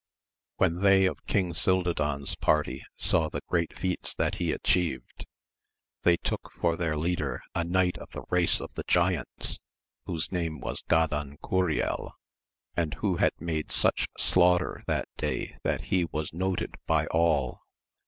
When they of King Cildadan's party saw the great feats that he atchieved, they took for their leader a knight of the race of the giants, whose name was Gadancuriel, and who had made such slaughter that day that he was noted by all.